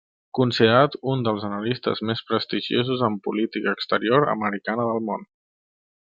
Considerat un dels analistes més prestigiosos en política exterior americana del món.